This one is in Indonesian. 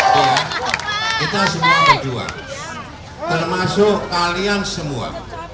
kita semua berdua termasuk kalian semua